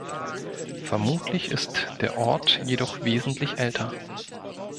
Vermutlich ist der Ort jedoch wesentlich älter.